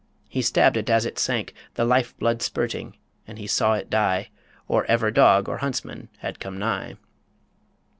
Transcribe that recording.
He stabbed it as it sank, The life blood spurting; and he saw it die Or ever dog or huntsman had come nigh.